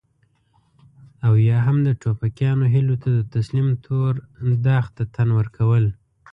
او يا هم د ټوپکيانو هيلو ته د تسليم تور داغ ته تن ورکول.